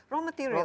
raw materials ya